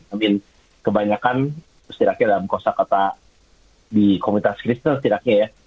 i mean kebanyakan setidaknya dalam kosa kata di komunitas kristal setidaknya ya